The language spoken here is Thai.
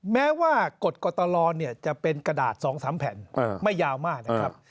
แม้ว่ากฎกตลจะเป็นกระดาษ๒๓แผ่นไม่ยาวมากนะครับ